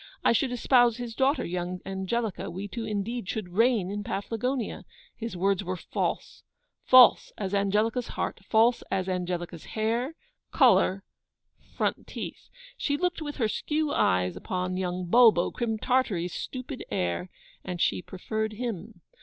I should espouse his daughter, young Angelica; we two indeed should reign in Paflagonia. His words were false false as Angelica's heart! false as Angelica's hair, colour, front teeth! She looked with her skew eyes upon young Bulbo, Crim Tartary's stupid heir, and she preferred him.